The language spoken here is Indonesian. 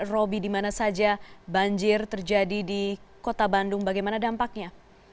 roby di mana saja banjir terjadi di kota bandung bagaimana dampaknya